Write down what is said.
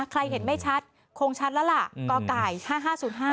ใครเห็นไม่ชัดคงชัดแล้วล่ะก็ไก่ห้าห้าศูนย์ห้า